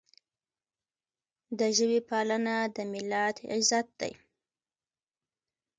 د ژبې پالنه د ملت عزت دی.